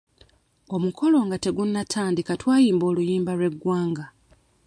Omukolo nga tegunatandika twayimba oluyimba lw'eggwanga.